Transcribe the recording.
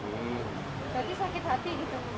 jadi sakit hati gitu